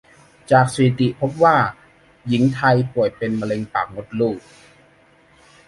จากสถิติพบว่าหญิงไทยป่วยเป็นมะเร็งปากมดลูก